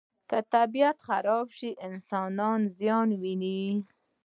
که طبیعت خراب شي، انسان زیان ویني.